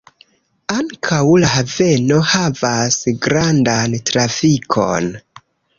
Ankaŭ la haveno havas grandan trafikon.